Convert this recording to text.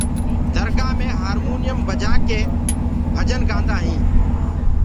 درگآه مي هآمونيم بجآ ڪآ رآڳ گآندآ هينٚ۔